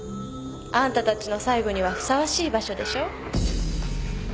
あんたたちの最期にはふさわしい場所でしょ？